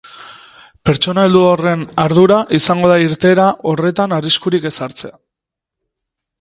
Pertsona heldu horren ardura izango da irteera horretan arriskurik ez hartzea.